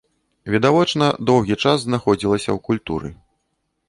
Відавочна, доўгі час знаходзілася ў культуры.